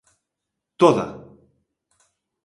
¡Toda!